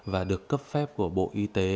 và được cấp phép của bộ y tế